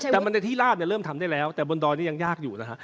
แต่มันในที่ลาบเนี่ยเริ่มทำได้แล้วแต่บนดอยนี่ยังยากอยู่นะฮะ